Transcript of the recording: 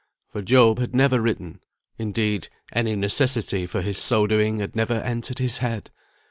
For Job had never written; indeed, any necessity for his so doing had never entered his head.